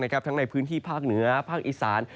ทั้งในพื้นที่ภาคเหนือภาคอีสาน